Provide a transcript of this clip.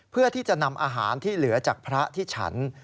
เพื่อที่จะนำอาหารที่เหลือจากพระที่ฉัน